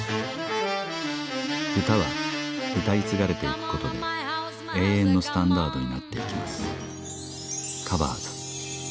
歌は歌い継がれていくことで永遠のスタンダードになっていきます